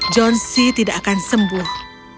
john c tidak akan sembuh